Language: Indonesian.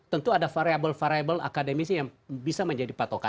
tentu ada variable variable akademisi yang bisa menjadi patokan